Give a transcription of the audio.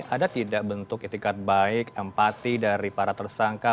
ada tidak bentuk itikat baik empati dari para tersangka